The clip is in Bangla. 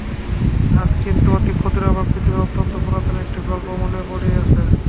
আজ কিন্তু অতি ক্ষুদ্র এবং পৃথিবীর অত্যন্ত পুরাতন একটি গল্প মনে পড়িতেছে।